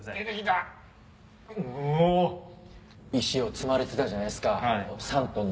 石を積まれてたじゃないですか。